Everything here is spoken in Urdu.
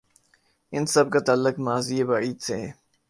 ان سب کا تعلق ماضی بعید سے ہے۔